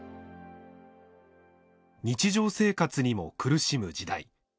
日常生活にも苦しむ時代。